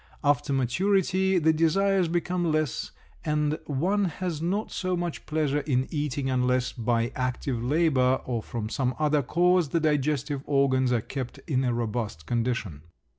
After maturity the desires become less and one has not so much pleasure in eating unless by active labor or from some other cause the digestive organs are kept in a robust condition.